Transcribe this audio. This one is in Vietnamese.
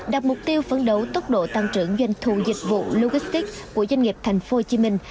đặt mục tiêu phấn đấu tốc độ tăng trưởng doanh thu dịch vụ logistics của doanh nghiệp thành phố hồ chí minh